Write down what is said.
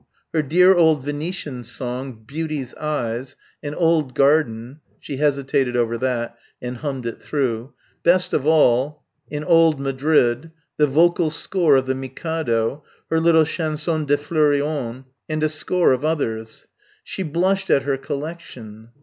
Her dear old Venetian song, "Beauty's Eyes," "An Old Garden" she hesitated over that, and hummed it through "Best of All" "In Old Madrid" the vocal score of the "Mikado" her little "Chanson de Florian," and a score of others. She blushed at her collection.